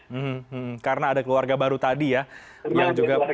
hmm karena ada keluarga baru tadi ya